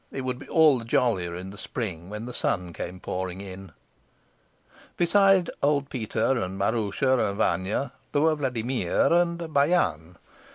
It would be all the jollier in the spring when the sun came pouring in. Besides old Peter and Maroosia and Vanya there were Vladimir and Bayan.